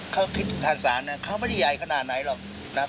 เขาคิดทานสารนะเขาไม่ได้ยายขนาดไหนหรอกนะฮะ